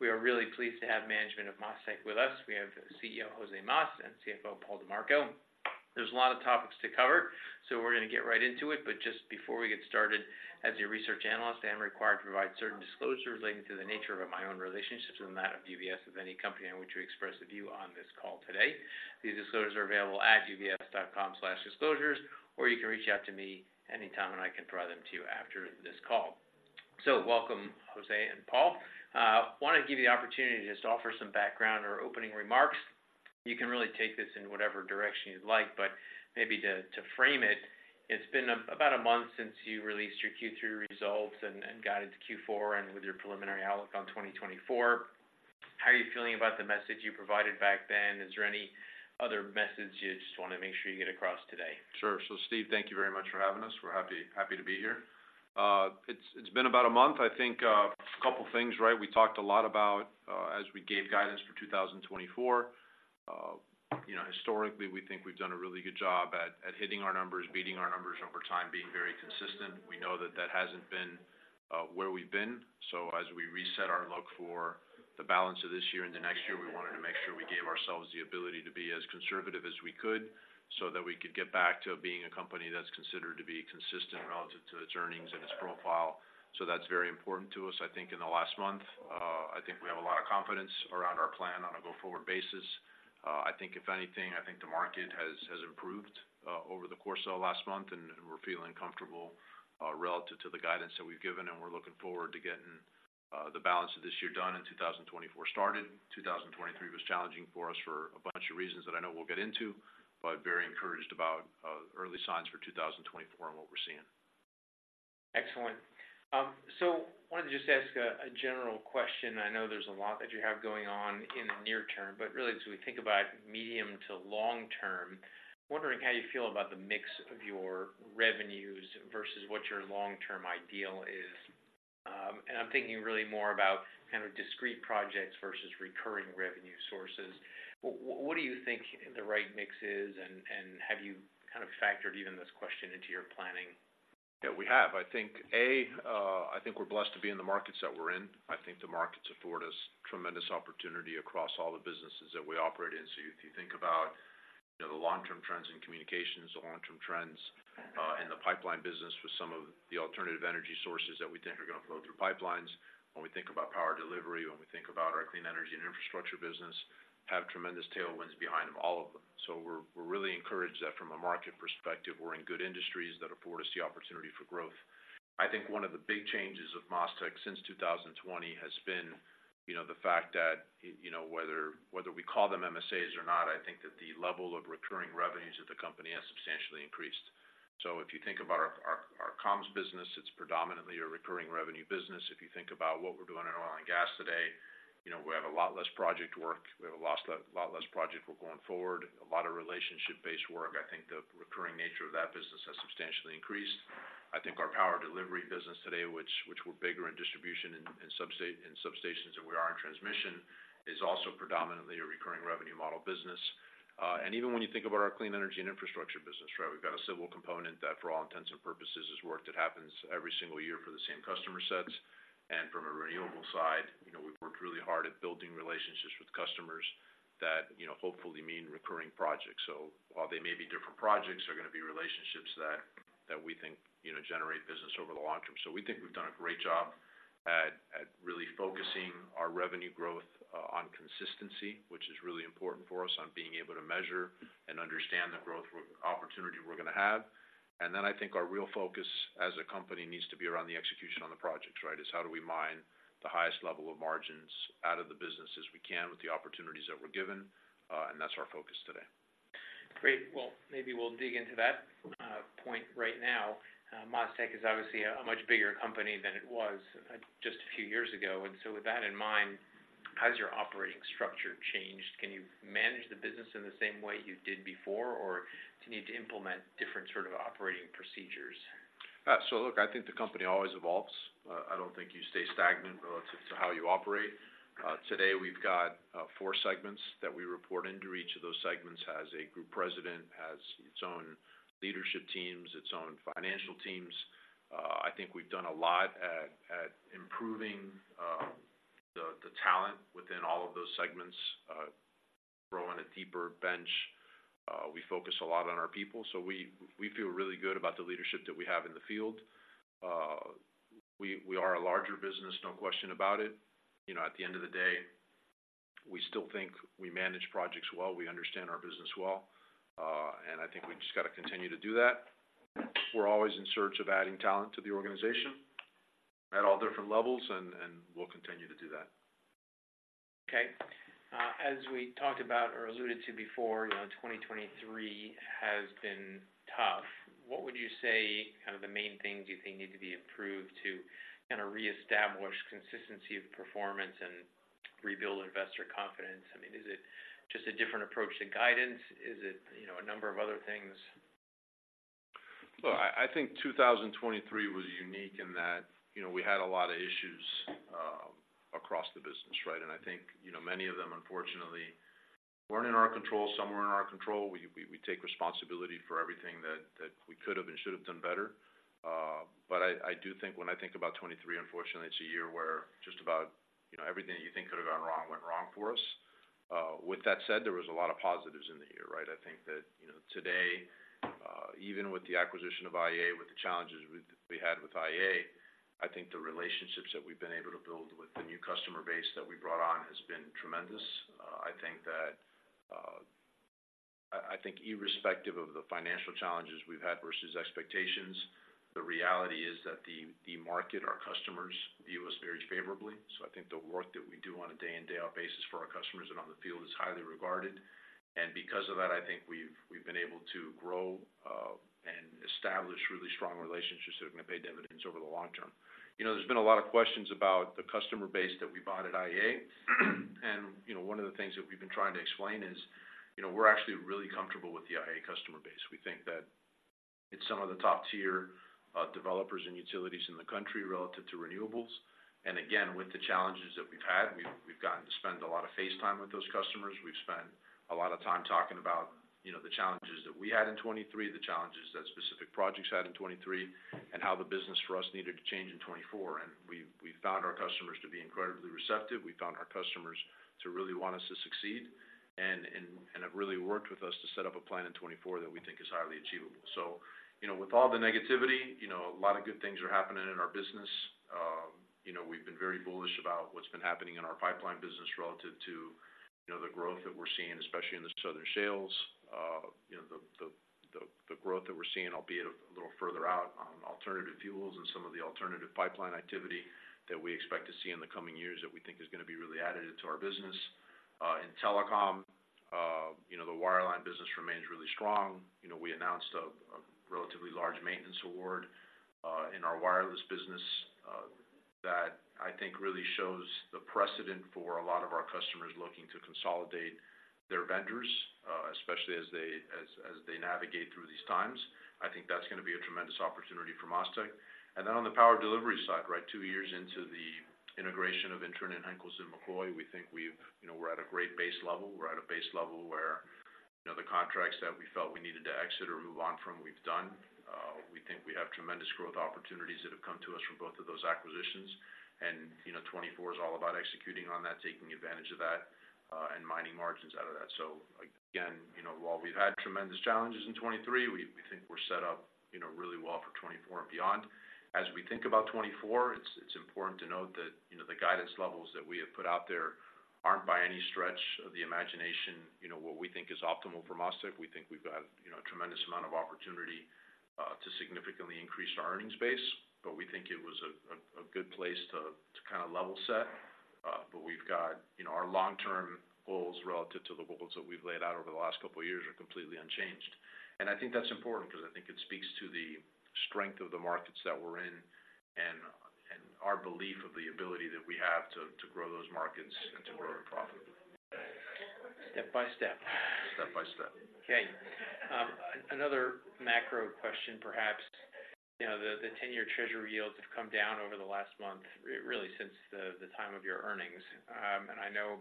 We are really pleased to have management of MasTec with us. We have CEO, José Mas, and CFO, Paul DiMarco. There's a lot of topics to cover, so we're gonna get right into it. But just before we get started, as your research analyst, I am required to provide certain disclosures relating to the nature of my own relationships and that of UBS with any company in which we express a view on this call today. These disclosures are available at ubs.com/disclosures, or you can reach out to me anytime, and I can provide them to you after this call. So welcome, José and Paul. I wanna give you the opportunity to just offer some background or opening remarks. You can really take this in whatever direction you'd like, but maybe to frame it, it's been about a month since you released your Q3 results and guided to Q4 and with your preliminary outlook on 2024. How are you feeling about the message you provided back then? Is there any other message you just wanna make sure you get across today? Sure. So, Steve, thank you very much for having us. We're happy, happy to be here. It's been about a month. I think, a couple of things, right? We talked a lot about, as we gave guidance for 2024. You know, historically, we think we've done a really good job at, at hitting our numbers, beating our numbers over time, being very consistent. We know that that hasn't been, where we've been. So as we reset our look for the balance of this year and the next year, we wanted to make sure we gave ourselves the ability to be as conservative as we could, so that we could get back to being a company that's considered to be consistent relative to its earnings and its profile. So that's very important to us. I think in the last month, I think we have a lot of confidence around our plan on a go-forward basis. I think if anything, I think the market has improved over the course of last month, and we're feeling comfortable relative to the guidance that we've given, and we're looking forward to getting the balance of this year done and 2024 started. 2023 was challenging for us for a bunch of reasons that I know we'll get into, but very encouraged about early signs for 2024 and what we're seeing. Excellent. So I wanted to just ask a general question. I know there's a lot that you have going on in the near term, but really, as we think about medium to long term, wondering how you feel about the mix of your revenues versus what your long-term ideal is? And I'm thinking really more about kind of discrete projects versus recurring revenue sources. What do you think the right mix is, and have you kind of factored even this question into your planning? Yeah, we have. I think we're blessed to be in the markets that we're in. I think the markets afford us tremendous opportunity across all the businesses that we operate in. So if you think about, you know, the long-term trends in communications, the long-term trends in the pipeline business with some of the alternative energy sources that we think are gonna flow through pipelines, when we think about power delivery, when we think about our clean energy and infrastructure business, have tremendous tailwinds behind them, all of them. So we're really encouraged that from a market perspective, we're in good industries that afford us the opportunity for growth. I think one of the big changes of MasTec since 2020 has been, you know, the fact that, you know, whether we call them MSAs or not, I think that the level of recurring revenues of the company has substantially increased. So if you think about our comms business, it's predominantly a recurring revenue business. If you think about what we're doing in oil and gas today, you know, we have a lot less project work. We have a lot less project work going forward, a lot of relationship-based work. I think the recurring nature of that business has substantially increased. I think our power delivery business today, which we're bigger in distribution and substations than we are in transmission, is also predominantly a recurring revenue model business. Even when you think about our clean energy and infrastructure business, right, we've got a civil component that, for all intents and purposes, is work that happens every single year for the same customer sets. From a renewable side, you know, we've worked really hard at building relationships with customers that, you know, hopefully mean recurring projects. While they may be different projects, they're gonna be relationships that we think, you know, generate business over the long term. We think we've done a great job at really focusing our revenue growth on consistency, which is really important for us, on being able to measure and understand the growth opportunity we're gonna have. Then I think our real focus as a company needs to be around the execution on the projects, right? Is how do we mine the highest level of margins out of the business as we can with the opportunities that we're given, and that's our focus today. Great. Well, maybe we'll dig into that point right now. MasTec is obviously a much bigger company than it was just a few years ago. And so with that in mind, how has your operating structure changed? Can you manage the business in the same way you did before, or do you need to implement different sort of operating procedures? So look, I think the company always evolves. I don't think you stay stagnant relative to how you operate. Today, we've got four segments that we report into. Each of those segments has a group president, has its own leadership teams, its own financial teams. I think we've done a lot at improving the talent within all of those segments, growing a deeper bench. We focus a lot on our people, so we feel really good about the leadership that we have in the field. We are a larger business, no question about it. You know, at the end of the day, we still think we manage projects well, we understand our business well, and I think we just got to continue to do that. We're always in search of adding talent to the organization at all different levels, and we'll continue to do that. Okay. As we talked about or alluded to before, you know, 2023 has been tough. What would you say kind of the main things you think need to be improved to kind of reestablish consistency of performance and rebuild investor confidence? I mean, is it just a different approach to guidance? Is it, you know, a number of other things? Well, I think 2023 was unique in that, you know, we had a lot of issues across the business, right? And I think, you know, many of them, unfortunately, weren't in our control, some were in our control. We take responsibility for everything that we could have and should have done better. But I do think when I think about 2023, unfortunately, it's a year where just about, you know, everything that you think could have gone wrong, went wrong for us. With that said, there was a lot of positives in the year, right? I think that, you know, today, even with the acquisition of IEA, with the challenges we had with IEA, I think the relationships that we've been able to build with the new customer base that we brought on has been tremendous. I think that I think irrespective of the financial challenges we've had versus expectations, the reality is that the market, our customers, view us very favorably. So I think the work that we do on a day in, day out basis for our customers and on the field is highly regarded. And because of that, I think we've been able to grow and establish really strong relationships that are going to pay dividends over the long term. You know, there's been a lot of questions about the customer base that we bought at IEA. And, you know, one of the things that we've been trying to explain is, you know, we're actually really comfortable with the IEA customer base. We think that it's some of the top-tier developers and utilities in the country relative to renewables. Again, with the challenges that we've had, we've gotten to spend a lot of face time with those customers. We've spent a lot of time talking about, you know, the challenges that we had in 2023, the challenges that specific projects had in 2023, and how the business for us needed to change in 2024. And we've found our customers to be incredibly receptive. We found our customers to really want us to succeed, and have really worked with us to set up a plan in 2024 that we think is highly achievable. So, you know, with all the negativity, you know, a lot of good things are happening in our business. You know, we've been very bullish about what's been happening in our pipeline business relative to, you know, the growth that we're seeing, especially in the southern shales. You know, the growth that we're seeing, albeit a little further out on alternative fuels and some of the alternative pipeline activity that we expect to see in the coming years that we think is going to be really additive to our business. In telecom, you know, the wireline business remains really strong. You know, we announced a relatively large maintenance award in our wireless business that I think really shows the precedent for a lot of our customers looking to consolidate their vendors, especially as they navigate through these times. I think that's going to be a tremendous opportunity for MasTec. And then on the power delivery side, right, two years into the integration of Henkels & McCoy, we think we've... You know, we're at a great base level. We're at a base level where, you know, the contracts that we felt we needed to exit or move on from, we've done. We think we have tremendous growth opportunities that have come to us from both of those acquisitions. And, you know, 2024 is all about executing on that, taking advantage of that, and mining margins out of that. So again, you know, while we've had tremendous challenges in 2023, we think we're set up, you know, really well for 2024 and beyond. As we think about 2024, it's important to note that, you know, the guidance levels that we have put out there aren't by any stretch of the imagination, you know, what we think is optimal for MasTec. We think we've got, you know, a tremendous amount of opportunity to significantly increase our earnings base, but we think it was a good place to kind of level set. But we've got, you know, our long-term goals relative to the goals that we've laid out over the last couple of years are completely unchanged. And I think that's important because I think it speaks to the strength of the markets that we're in, and our belief of the ability that we have to grow those markets and to grow our profit. Step by step. Step by step. Okay. Another macro question perhaps: you know, the 10-year Treasury yields have come down over the last month, really since the time of your earnings. And I know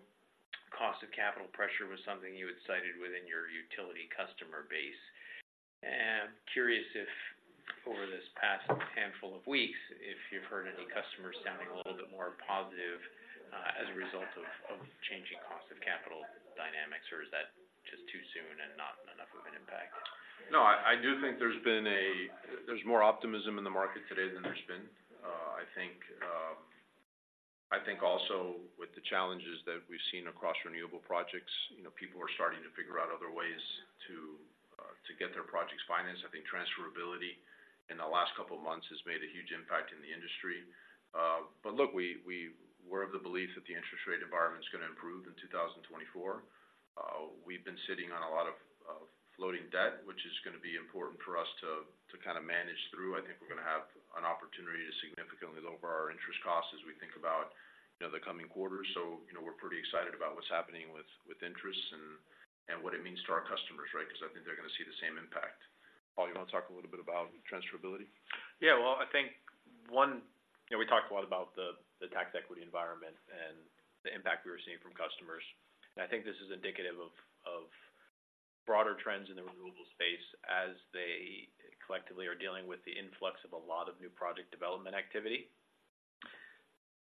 cost of capital pressure was something you had cited within your utility customer base. And I'm curious if over this past handful of weeks, if you've heard any customers sounding a little bit more positive, as a result of changing cost of capital dynamics, or is that just too soon and not enough of an impact? No, I do think there's been – there's more optimism in the market today than there's been. I think also with the challenges that we've seen across renewable projects, you know, people are starting to figure out other ways to get their projects financed. I think transferability in the last couple of months has made a huge impact in the industry. But look, we're of the belief that the interest rate environment is going to improve in 2024. We've been sitting on a lot of floating debt, which is going to be important for us to manage through. I think we're going to have an opportunity to significantly lower our interest costs as we think about, you know, the coming quarters. So, you know, we're pretty excited about what's happening with interest and what it means to our customers, right? Because I think they're going to see the same impact. Paul, you want to talk a little bit about transferability? Yeah, well, I think one, you know, we talked a lot about the tax equity environment and the impact we were seeing from customers. And I think this is indicative of broader trends in the renewable space as they collectively are dealing with the influx of a lot of new project development activity.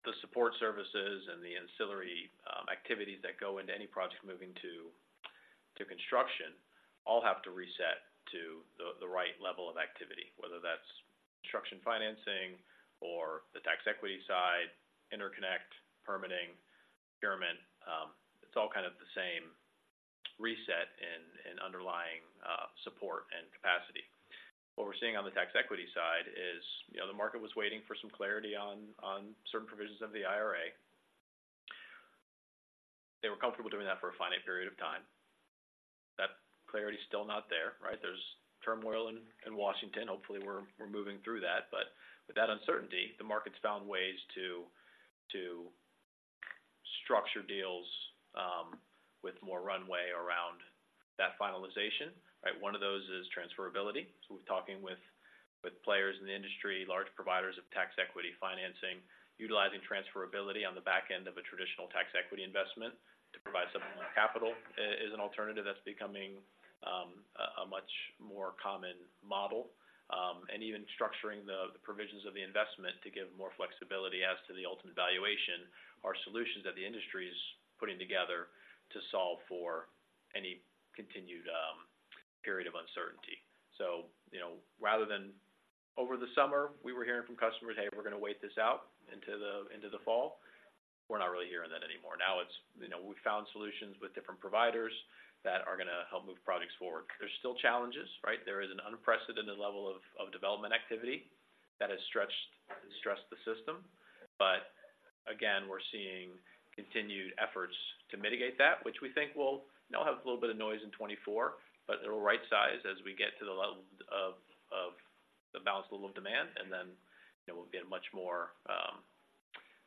The support services and the ancillary activities that go into any project moving to construction all have to reset to the right level of activity, whether that's construction financing or the tax equity side, interconnect, permitting, procurement. It's all kind of the same reset and underlying support and capacity. What we're seeing on the tax equity side is, you know, the market was waiting for some clarity on certain provisions of the IRA. They were comfortable doing that for a finite period of time. That clarity is still not there, right? There's turmoil in Washington. Hopefully, we're moving through that. But with that uncertainty, the market's found ways to structure deals with more runway around finalization, right? One of those is transferability. So we're talking with players in the industry, large providers of tax equity financing, utilizing transferability on the back end of a traditional tax equity investment to provide supplemental capital is an alternative that's becoming a much more common model. And even structuring the provisions of the investment to give more flexibility as to the ultimate valuation are solutions that the industry is putting together to solve for any continued period of uncertainty. So, you know, rather than over the summer, we were hearing from customers, "Hey, we're going to wait this out into the, into the fall." We're not really hearing that anymore. Now it's, you know, we've found solutions with different providers that are going to help move projects forward. There's still challenges, right? There is an unprecedented level of, of development activity that has stretched- stressed the system. But again, we're seeing continued efforts to mitigate that, which we think will now have a little bit of noise in 2024, but it will rightsize as we get to the level of, of the balanced level of demand, and then, you know, we'll get a much more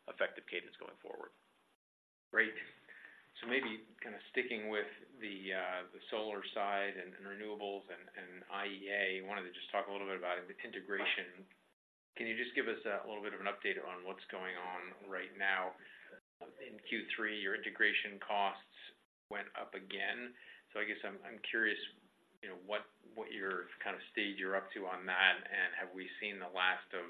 effective cadence going forward. Great. So maybe kind of sticking with the solar side and renewables and IEA, I wanted to just talk a little bit about the integration. Can you just give us a little bit of an update on what's going on right now? In Q3, your integration costs went up again. So I guess I'm curious, you know, what your kind of stage you're up to on that, and have we seen the last of,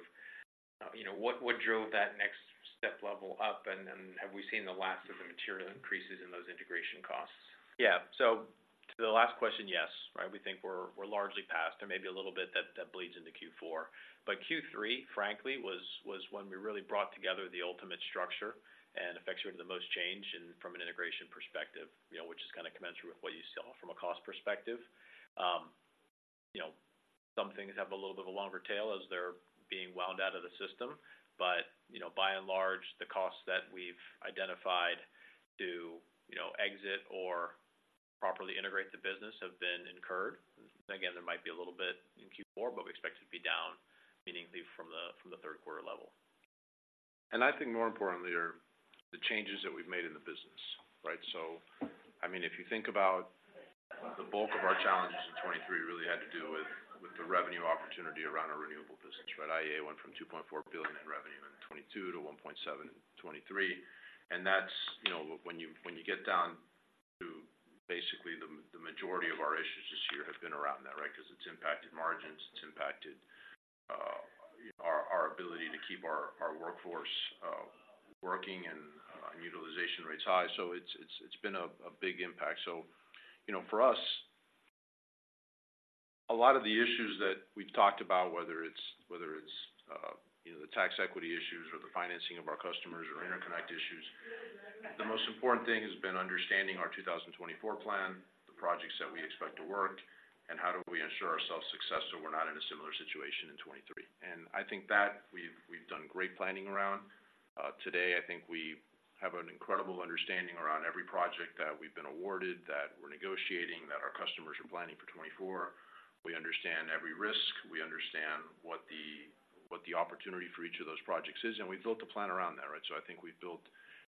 you know... What drove that next step level up, and have we seen the last of the material increases in those integration costs? Yeah. So to the last question, yes, right? We think we're largely past, and maybe a little bit that bleeds into Q4. But Q3, frankly, was when we really brought together the ultimate structure and effected the most change in from an integration perspective, you know, which is kind of commensurate with what you saw from a cost perspective. You know, some things have a little bit of a longer tail as they're being wound out of the system. But, you know, by and large, the costs that we've identified to, you know, exit or properly integrate the business have been incurred. Again, there might be a little bit in Q4, but we expect it to be down meaningfully from the Q3 level. I think more importantly are the changes that we've made in the business, right? So, I mean, if you think about the bulk of our challenges in 2023, really had to do with the revenue opportunity around our renewable business, right? IEA went from $2.4 billion in revenue in 2022 to $1.7 billion in 2023. And that's, you know, when you get down to basically the majority of our issues this year have been around that, right? Because it's impacted margins, it's impacted our ability to keep our workforce working and utilization rates high. So it's been a big impact. So, you know, for us, a lot of the issues that we've talked about, whether it's, whether it's, you know, the tax equity issues or the financing of our customers or interconnect issues, the most important thing has been understanding our 2024 plan, the projects that we expect to work, and how do we ensure our success so we're not in a similar situation in 2023. And I think that we've done great planning around. Today, I think we have an incredible understanding around every project that we've been awarded, that we're negotiating, that our customers are planning for 2024. We understand every risk, we understand what the, what the opportunity for each of those projects is, and we've built a plan around that, right? So I think we've built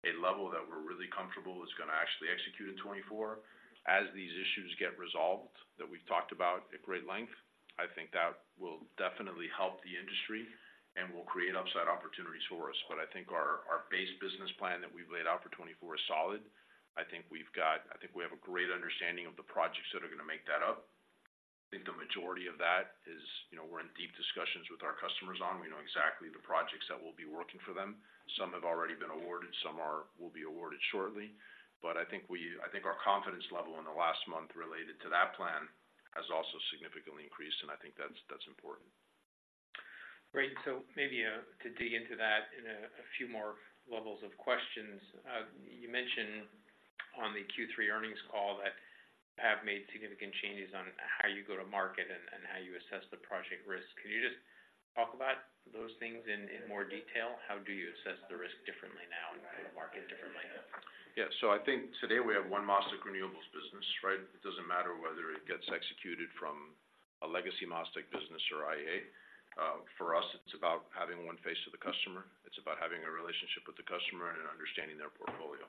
a level that we're really comfortable is going to actually execute in 2024. As these issues get resolved, that we've talked about at great length, I think that will definitely help the industry, and will create upside opportunities for us. But I think our, our base business plan that we've laid out for 2024 is solid. I think we've got-- I think we have a great understanding of the projects that are going to make that up. I think the majority of that is, you know, we're in deep discussions with our customers on. We know exactly the projects that we'll be working for them. Some have already been awarded, some are- will be awarded shortly. But I think we-- I think our confidence level in the last month related to that plan, has also significantly increased, and I think that's, that's important. Great. So maybe to dig into that in a few more levels of questions. You mentioned on the Q3 earnings call that you have made significant changes on how you go to market and how you assess the project risk. Can you just talk about those things in more detail? How do you assess the risk differently now and the market differently? Yeah. So I think today we have one MasTec Renewables business, right? It doesn't matter whether it gets executed from a legacy MasTec business or IEA. For us, it's about having one face to the customer. It's about having a relationship with the customer and understanding their portfolio.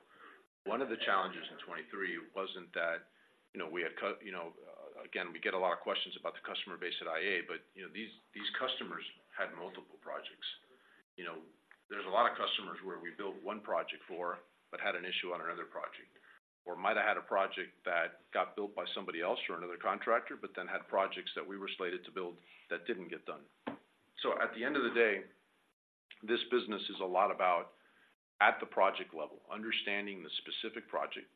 One of the challenges in 2023 wasn't that, you know, we had-- you know, again, we get a lot of questions about the customer base at IEA, but, you know, these, these customers had multiple projects. You know, there's a lot of customers where we built one project for, but had an issue on another project, or might have had a project that got built by somebody else or another contractor, but then had projects that we were slated to build that didn't get done. So at the end of the day, this business is a lot about at the project level, understanding the specific project.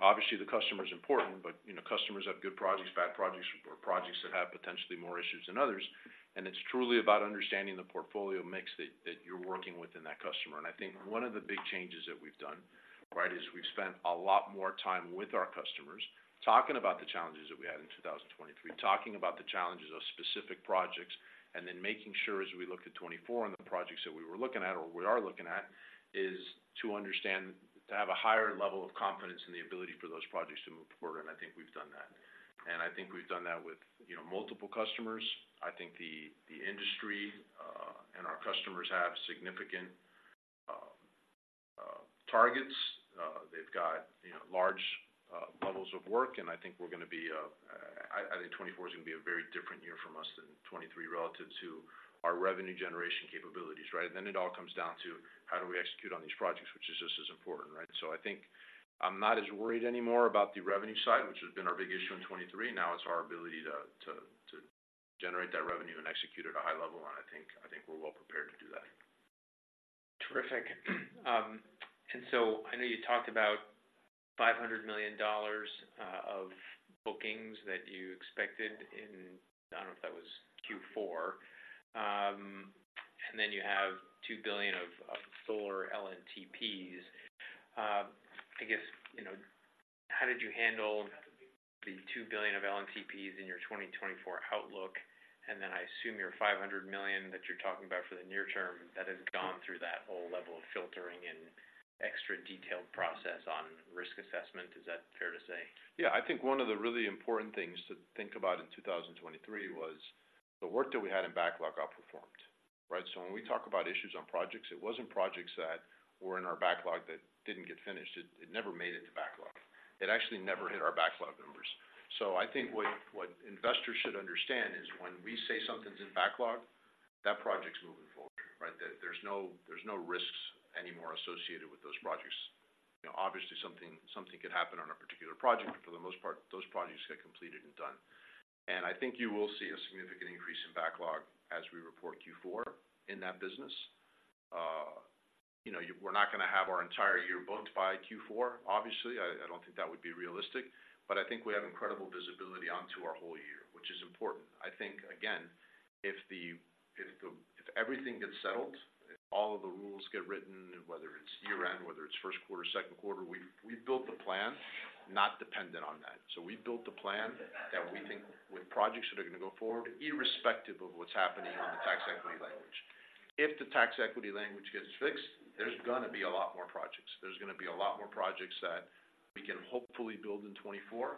Obviously, the customer is important, but, you know, customers have good projects, bad projects, or projects that have potentially more issues than others, and it's truly about understanding the portfolio mix that, that you're working with in that customer. And I think one of the big changes that we've done, right, is we've spent a lot more time with our customers, talking about the challenges that we had in 2023, talking about the challenges of specific projects, and then making sure as we look at 2024 and the projects that we were looking at or we are looking at, is to understand, to have a higher level of confidence in the ability for those projects to move forward. And I think we've done that. I think we've done that with, you know, multiple customers. I think the industry and our customers have significant targets. They've got, you know, large levels of work, and I think we're gonna be, I think 2024 is gonna be a very different year from us than 2023 relative to our revenue generation capabilities, right? Then it all comes down to how do we execute on these projects, which is just as important, right? So I think I'm not as worried anymore about the revenue side, which has been our big issue in 2023. Now it's our ability to generate that revenue and execute at a high level, and I think we're well prepared to do that. Terrific. And so I know you talked about $500 million of bookings that you expected in—I don't know if that was Q4. And then you have $2 billion of solar LNTPs. I guess, you know, how did you handle the $2 billion of LNTPs in your 2024 outlook? And then I assume your $500 million that you're talking about for the near term, that has gone through that whole level of filtering and extra detailed process on risk assessment. Is that fair to say? Yeah, I think one of the really important things to think about in 2023 was the work that we had in backlog outperformed, right? So when we talk about issues on projects, it wasn't projects that were in our backlog that didn't get finished. It, it never made it to backlog. It actually never hit our backlog numbers. So I think what, what investors should understand is when we say something's in backlog, that project's moving forward, right? There's no, there's no risks anymore associated with those projects. You know, obviously, something, something could happen on a particular project, but for the most part, those projects get completed and done. And I think you will see a significant increase in backlog as we report Q4 in that business. You know, we're not gonna have our entire year booked by Q4, obviously. I don't think that would be realistic, but I think we have incredible visibility onto our whole year, which is important. I think, again, if everything gets settled, if all of the rules get written, whether it's year-end, whether it's Q1, Q2, we built the plan not dependent on that. So we built the plan that we think with projects that are going to go forward, irrespective of what's happening on the tax equity language. If the tax equity language gets fixed, there's gonna be a lot more projects. There's gonna be a lot more projects that we can hopefully build in 2024.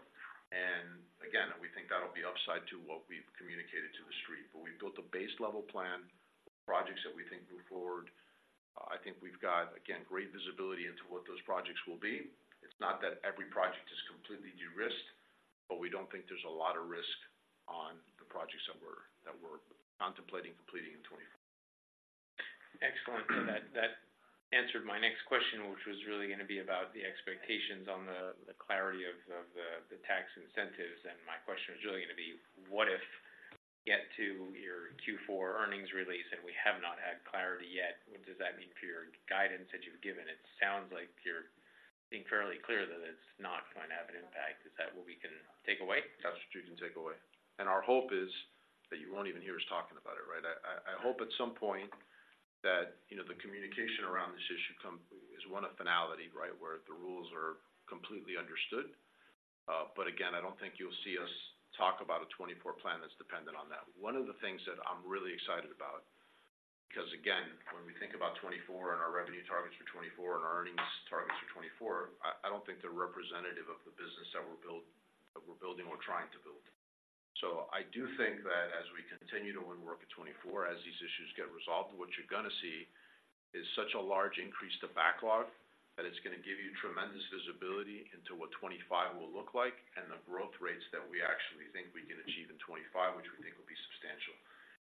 And again, we think that'll be upside to what we've communicated to the street. But we've built a base-level plan of projects that we think move forward. I think we've got, again, great visibility into what those projects will be. It's not that every project is completely de-risked, but we don't think there's a lot of risk on the projects that we're contemplating completing in 2024. Excellent. That answered my next question, which was really gonna be about the expectations on the clarity of the tax incentives, and my question was really gonna be: what if we get to your Q4 earnings release, and we have not had clarity yet? What does that mean for your guidance that you've given? It sounds like you're being fairly clear that it's not going to have an impact. Is that what we can take away? That's what you can take away. Our hope is that you won't even hear us talking about it, right? I hope at some point that, you know, the communication around this issue is, one, a finality, right? Where the rules are completely understood. But again, I don't think you'll see us talk about a 2024 plan that's dependent on that. One of the things that I'm really excited about, because, again, when we think about 2024 and our revenue targets for 2024 and our earnings targets for 2024, I don't think they're representative of the business that we're building or trying to build. So I do think that as we continue to win work in 2024, as these issues get resolved, what you're gonna see is such a large increase to backlog, that it's gonna give you tremendous visibility into what 2025 will look like and the growth rates that we actually think we can achieve in 2025, which we think will be substantial.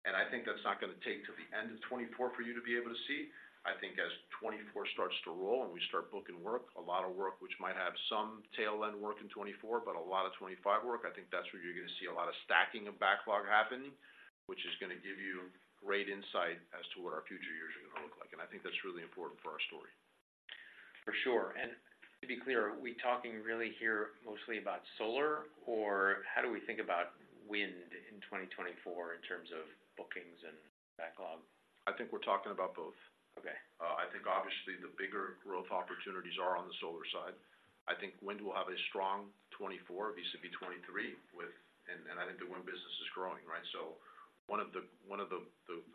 And I think that's not gonna take till the end of 2024 for you to be able to see. I think as 2024 starts to roll and we start booking work, a lot of work, which might have some tail-end work in 2024, but a lot of 2025 work, I think that's where you're gonna see a lot of stacking and backlog happening, which is gonna give you great insight as to what our future years are gonna look like. And I think that's really important for our story. For sure. And to be clear, are we talking really here mostly about solar, or how do we think about wind in 2024 in terms of bookings and backlog? I think we're talking about both. Okay. I think obviously the bigger growth opportunities are on the solar side. I think wind will have a strong 2024 vis-à-vis 2023. And I think the wind business is growing, right? So one of the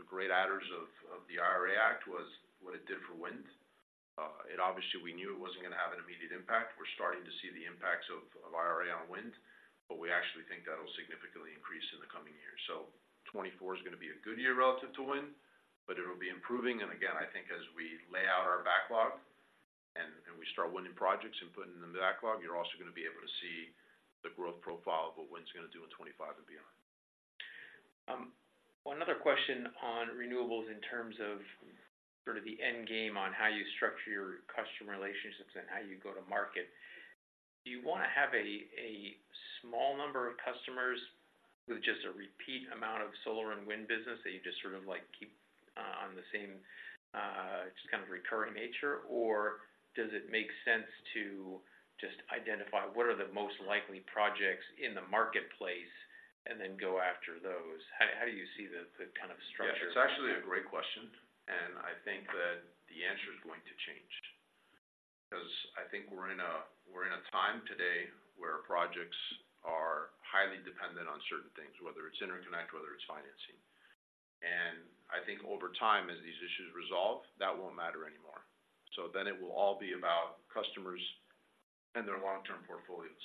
great adders of the IRA Act was what it did for wind. And obviously, we knew it wasn't gonna have an immediate impact. We're starting to see the impacts of IRA on wind, but we actually think that'll significantly increase in the coming years. So 2024 is gonna be a good year relative to wind, but it'll be improving, and again, I think as we lay out our backlog and we start winning projects and putting in the backlog, you're also gonna be able to see the growth profile of what wind's gonna do in 2025 and beyond. One other question on renewables in terms of sort of the end game on how you structure your customer relationships and how you go to market. Do you want to have a small number of customers with just a repeat amount of solar and wind business that you just sort of, like, keep on the same just kind of recurring nature? Or does it make sense to just identify what are the most likely projects in the marketplace and then go after those? How do you see the kind of structure? Yeah, it's actually a great question, and I think that the answer is going to change. Because I think we're in a, we're in a time today where projects are highly dependent on certain things, whether it's interconnect, whether it's financing. And I think over time, as these issues resolve, that won't matter anymore. So then it will all be about customers and their long-term portfolios...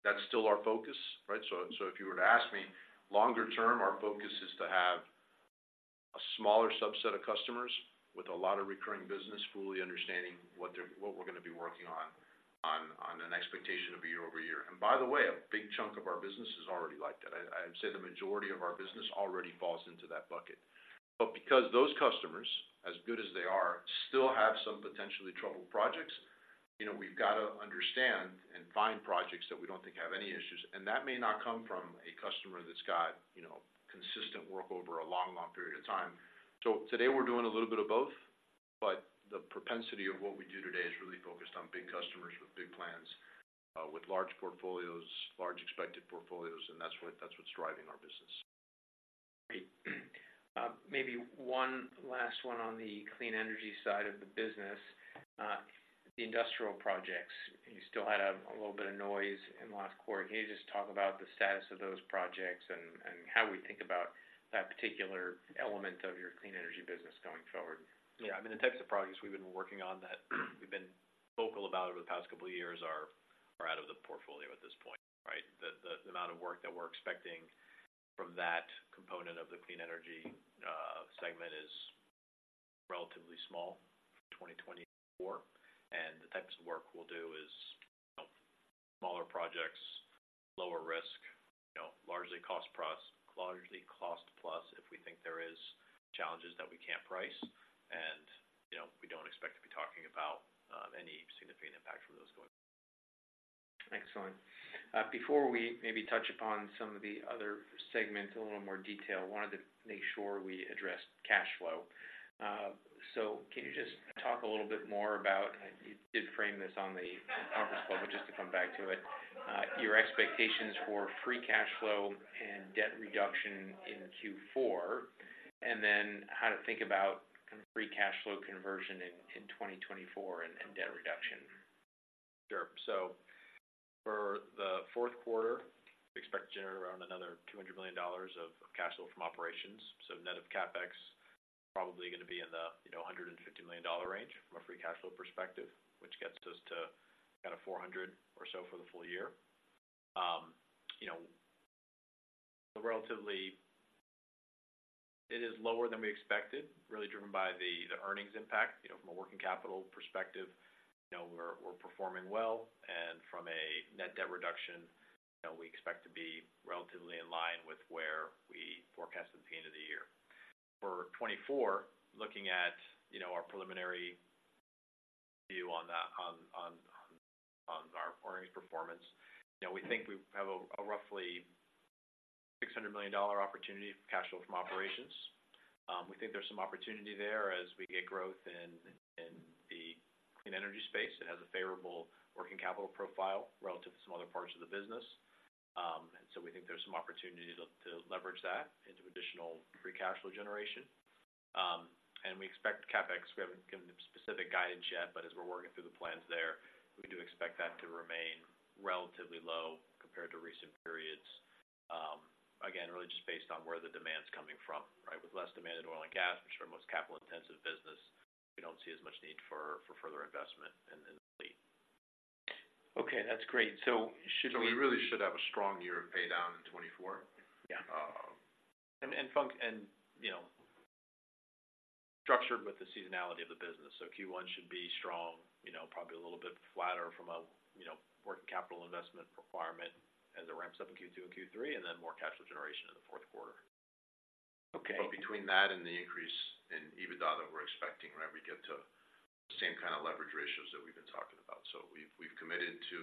That's still our focus, right? So, so if you were to ask me longer term, our focus is to have a smaller subset of customers with a lot of recurring business, fully understanding what we're gonna be working on, on, on an expectation of a year-over-year. And by the way, a big chunk of our business is already like that. I, I'd say the majority of our business already falls into that bucket. But because those customers, as good as they are, still have some potentially troubled projects, you know, we've got to understand and find projects that we don't think have any issues, and that may not come from a customer that's got, you know, consistent work over a long, long period of time. So today we're doing a little bit of both, but the propensity of what we do today is really focused on big customers with big plans, with large portfolios, large expected portfolios, and that's what, that's what's driving our business. Great. Maybe one last one on the clean energy side of the business. The industrial projects, you still had a little bit of noise in the last quarter. Can you just talk about the status of those projects and how we think about that particular element of your clean energy business going forward? Yeah, I mean, the types of projects we've been working on that we've been vocal about over the past couple of years are out of the portfolio at this point, right? The amount of work that we're expecting from that component of the clean energy segment is relatively small for 2024, and the types of work we'll do is, you know, smaller projects, lower risk, you know, largely cost plus, if we think there is challenges that we can't price. And, you know, we don't expect to be talking about any significant impact from those going. Excellent. Before we maybe touch upon some of the other segments in a little more detail, I wanted to make sure we addressed cash flow. So can you just talk a little bit more about... You did frame this on the conference call, but just to come back to it, your expectations for free cash flow and debt reduction in Q4, and then how to think about free cash flow conversion in 2024 and debt reduction? Sure. So for the fourth quarter, we expect to generate around another $200 million of cash flow from operations. So net of CapEx, probably gonna be in the, you know, $150 million range from a free cash flow perspective, which gets us to kind of 400 or so for the full year. You know, relatively it is lower than we expected, really driven by the, the earnings impact. You know, from a working capital perspective, you know, we're, we're performing well, and from a net debt reduction, you know, we expect to be relatively in line with where we forecasted at the end of the year. For 2024, looking at, you know, our preliminary view on the, on, on, on our earnings performance, you know, we think we have a, a roughly $600 million opportunity for cash flow from operations. We think there's some opportunity there as we get growth in the clean energy space. It has a favorable working capital profile relative to some other parts of the business. And so we think there's some opportunity to leverage that into additional free cash flow generation. And we expect CapEx; we haven't given specific guidance yet, but as we're working through the plans there, we do expect that to remain relatively low compared to recent periods. Again, really just based on where the demand's coming from, right? With less demand in oil and gas, which are our most capital-intensive business, we don't see as much need for further investment in the fleet. Okay, that's great. So should we- We really should have a strong year of paydown in 2024. Yeah. And, you know, structured with the seasonality of the business. So Q1 should be strong, you know, probably a little bit flatter from a, you know, working capital investment requirement as it ramps up in Q2 and Q3, and then more cash flow generation in the fourth quarter. Okay. Between that and the increase in EBITDA that we're expecting, right, we get to the same kind of leverage ratios that we've been talking about. So we've committed to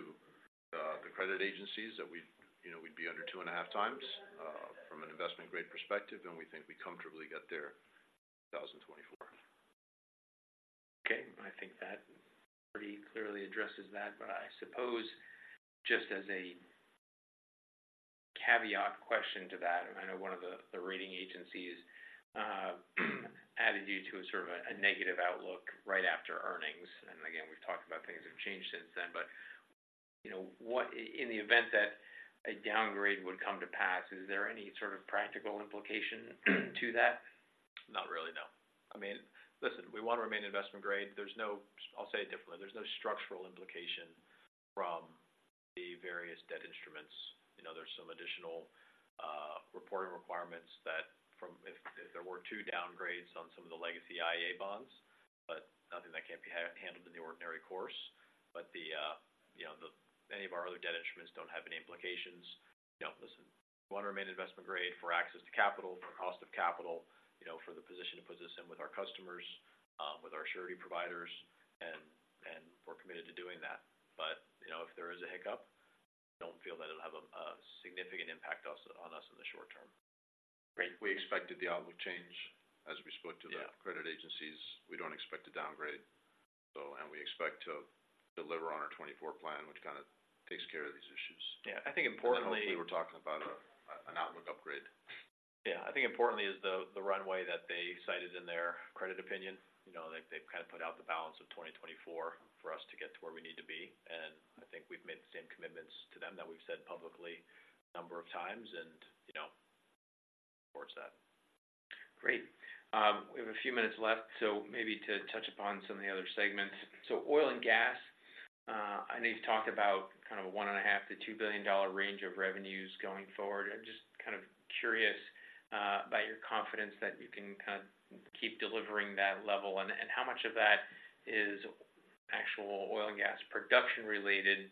the credit agencies that we'd, you know, we'd be under 2.5x from an investment grade perspective, and we think we comfortably get there in 2024. Okay, I think that pretty clearly addresses that, but I suppose just as a caveat question to that, I know one of the rating agencies added you to a sort of a negative outlook right after earnings. And again, we've talked about things have changed since then, but, you know, what in the event that a downgrade would come to pass, is there any sort of practical implication to that? Not really, no. I mean, listen, we want to remain investment grade. There's no... I'll say it differently. There's no structural implication from the various debt instruments. You know, there's some additional reporting requirements that if there were two downgrades on some of the legacy IEA bonds, but nothing that can't be handled in the ordinary course. But then, you know, any of our other debt instruments don't have any implications. You know, listen, we want to remain investment grade for access to capital, for cost of capital, you know, for the position it puts us in with our customers, with our surety providers, and we're committed to doing that. But, you know, if there is a hiccup, we don't feel that it'll have a significant impact on us in the short term. Great. We expected the outlook change as we spoke to the- Yeah... credit agencies. We don't expect a downgrade, so, and we expect to deliver on our 2024 plan, which kind of takes care of these issues. Yeah, I think importantly- Hopefully, we're talking about an outlook upgrade. Yeah. I think importantly is the runway that they cited in their credit opinion. You know, they've, they've kind of put out the balance of 2024 for us to get to where we need to be, and I think we've made the same commitments to them that we've said to-... number of times, and, you know, towards that. Great. We have a few minutes left, so maybe to touch upon some of the other segments. So oil and gas, I know you've talked about kind of a $1.5 billion-$2 billion range of revenues going forward. I'm just kind of curious about your confidence that you can kind of keep delivering that level, and, and how much of that is actual oil and gas production related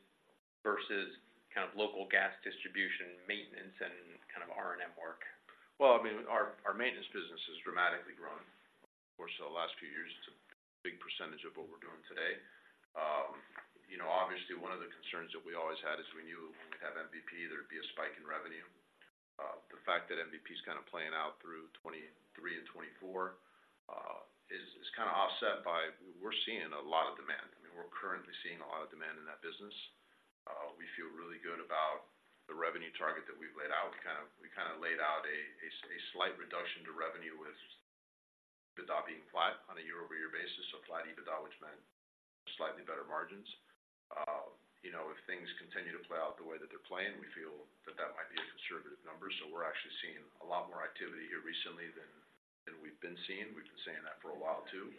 versus kind of local gas distribution, maintenance, and kind of R&M work? Well, I mean, our maintenance business has dramatically grown over the course of the last few years. It's a big percentage of what we're doing today. You know, obviously, one of the concerns that we always had is we knew when we'd have MVP, there'd be a spike in revenue. The fact that MVP is kind of playing out through 2023 and 2024 is kind of offset by we're seeing a lot of demand. I mean, we're currently seeing a lot of demand in that business. We feel really good about the revenue target that we've laid out. We kind of laid out a slight reduction to revenue with EBITDA being flat on a year-over-year basis, so flat EBITDA, which meant slightly better margins. You know, if things continue to play out the way that they're playing, we feel that that might be a conservative number. So we're actually seeing a lot more activity here recently than we've been seeing. We've been saying that for a while, too.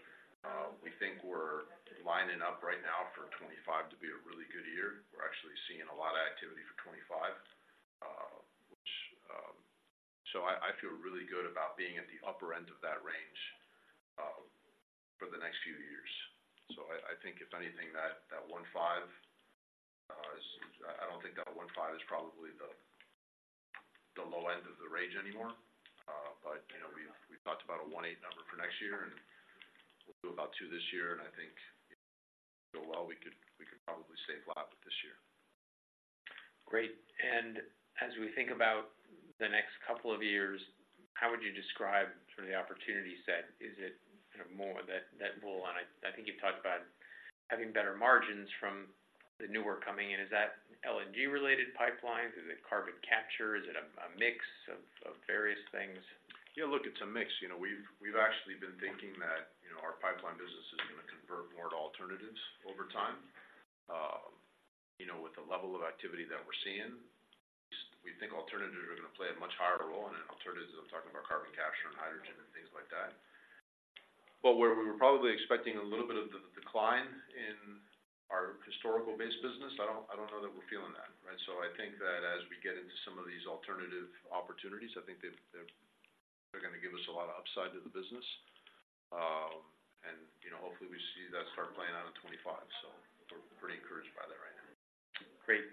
We think we're lining up right now for 2025 to be a really good year. We're actually seeing a lot of activity for 2025, which... So I feel really good about being at the upper end of that range for the next few years. So I think if anything, that 1.5 is, I don't think that 1.5 is probably the low end of the range anymore. But, you know, we've talked about a $1.8 number for next year, and we'll do about $2 this year, and I think if it goes well, we could probably stay flat with this year. Great. And as we think about the next couple of years, how would you describe sort of the opportunity set? Is it kind of more that, that bull on it? I think you've talked about having better margins from the new work coming in. Is that LNG-related pipelines? Is it carbon capture? Is it a, a mix of, of various things? Yeah, look, it's a mix. You know, we've actually been thinking that, you know, our pipeline business is going to convert more to alternatives over time. You know, with the level of activity that we're seeing, we think alternatives are going to play a much higher role. And in alternatives, I'm talking about carbon capture and hydrogen and things like that. But where we were probably expecting a little bit of the decline in our historical-based business, I don't know that we're feeling that, right? So I think that as we get into some of these alternative opportunities, I think they're going to give us a lot of upside to the business. And, you know, hopefully, we see that start playing out in 2025, so we're pretty encouraged by that right now. Great.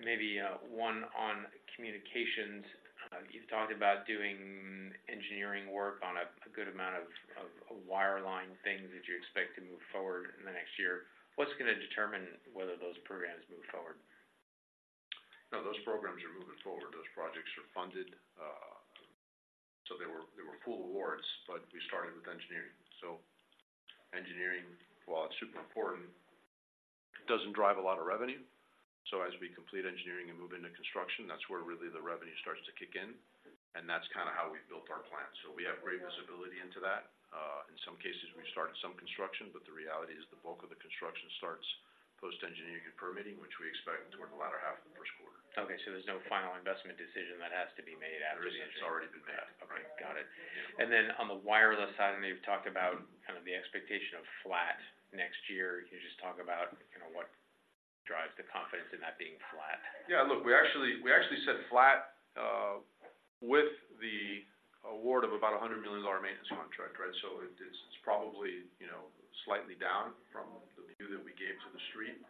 And maybe, one on communications. You talked about doing engineering work on a good amount of wireline things that you expect to move forward in the next year. What's going to determine whether those programs move forward? No, those programs are moving forward. Those projects are funded. So they were, they were full awards, but we started with engineering. So engineering, while it's super important, doesn't drive a lot of revenue. So as we complete engineering and move into construction, that's where really the revenue starts to kick in, and that's kind of how we've built our plan. So we have great visibility into that. In some cases, we've started some construction, but the reality is the bulk of the construction starts post-engineering and permitting, which we expect toward the latter half of the Q1. Okay, so there's no final investment decision that has to be made after- There isn't. It's already been made. Okay, got it. And then on the wireless side, I know you've talked about kind of the expectation of flat next year. Can you just talk about, you know, what drives the confidence in that being flat? Yeah, look, we actually, we actually said flat with the award of about a $100 million maintenance contract, right? So it is probably, you know, slightly down from the view that we gave to the street.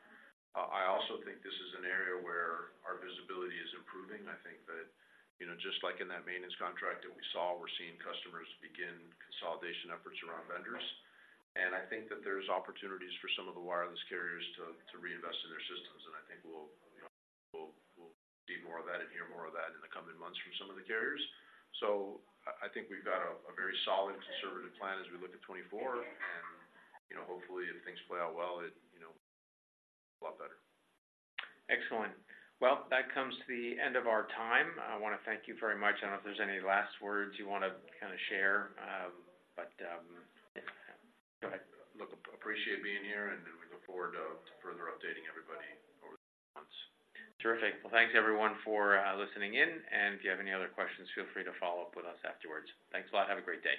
I also think this is an area where our visibility is improving. I think that, you know, just like in that maintenance contract that we saw, we're seeing customers begin consolidation efforts around vendors. And I think that there's opportunities for some of the wireless carriers to reinvest in their systems. And I think we'll, you know, we'll see more of that and hear more of that in the coming months from some of the carriers. So I think we've got a very solid, conservative plan as we look at 2024. And, you know, hopefully, if things play out well, it you know, a lot better. Excellent. Well, that comes to the end of our time. I want to thank you very much. I don't know if there's any last words you want to kind of share, but go ahead. Look, appreciate being here, and we look forward to further updating everybody over the next months. Terrific. Well, thanks, everyone, for listening in, and if you have any other questions, feel free to follow up with us afterwards. Thanks a lot. Have a great day.